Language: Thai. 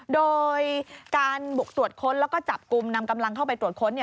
โดยการบุกตรวจค้นแล้วก็จับกลุ่มนำกำลังเข้าไปตรวจค้น